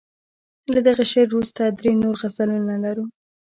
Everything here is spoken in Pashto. له دغه شعر وروسته درې نور غزلونه لرو.